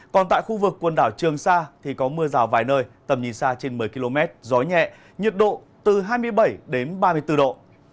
còn tại khu vực quần đảo trường sa thì có mưa rào vài nơi tầm nhìn xa trên một mươi km gió nhẹ nhiệt độ từ hai mươi bảy đến ba mươi bốn độ